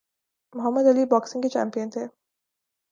محمد Ali boxing کے champion تھے